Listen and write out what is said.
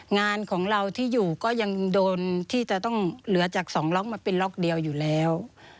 งานของเราที่อยู่ก็ยังโดนที่จะต้องเหลือจาก๒ล็อกมาเป็นล็อกเดียวอยู่แล้ว